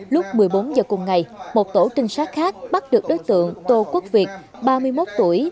lúc một mươi bốn h cùng ngày một tổ trinh sát khác bắt được đối tượng tô quốc việt ba mươi một tuổi